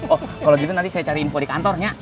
oh kalau gitu nanti saya cari info di kantornya